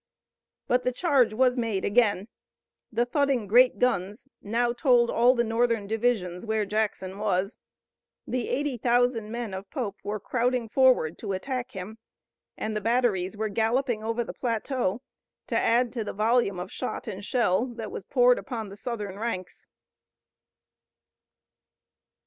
But the charge was made again. The thudding great guns now told all the Northern divisions where Jackson was. The eighty thousand men of Pope were crowding forward to attack him, and the batteries were galloping over the plateau to add to the volume of shot and shell that was poured upon the Southern ranks.